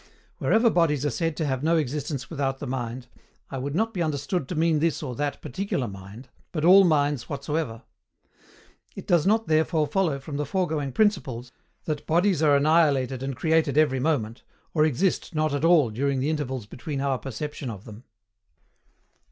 Wherever bodies are said to have no existence without the mind, I would not be understood to mean this or that particular mind, but ALL MINDS WHATSOEVER. It does not therefore follow from the foregoing principles that bodies are annihilated and created every moment, or exist not at all during the intervals between our perception of them.